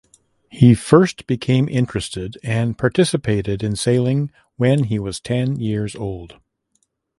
He first became interested and participated in sailing when he was ten years old.